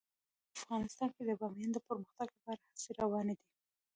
په افغانستان کې د بامیان د پرمختګ لپاره هڅې روانې دي.